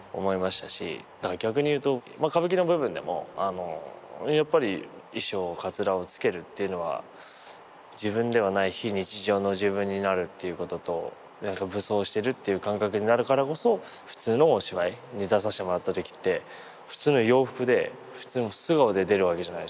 逆に言うと歌舞伎の部分でもやっぱり衣装かつらを着けるっていうのは自分ではない非日常の自分になるっていうこととなんか武装してるっていう感覚になるからこそ普通のお芝居に出させてもらった時って普通の洋服で普通の素顔で出るわけじゃないですか。